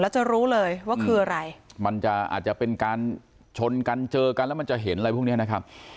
แล้วจะรู้เลยว่าคืออะไรมันจะอาจจะเป็นการชนกันเจอกันแล้วมันจะเห็นอะไรพวกนี้นะครับ